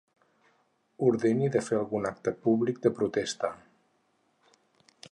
Ordeni de fer algun acte públic de protesta.